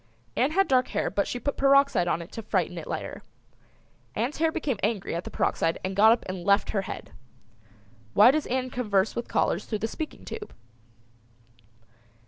Ann had dark hair but she put peroxide on it to frighten it lighter. Ann's hair became angry at the peroxide and got up and left her head. Why does Ann converse with callers through the speaking tube?